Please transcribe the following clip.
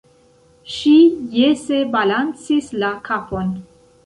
Ŝi jese balancis la kapon.